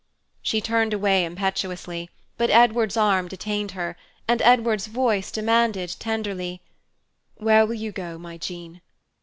She turned away impetuously, but Edward's arm detained her, and Edward's voice demanded, tenderly, "Where will you go, my Jean?"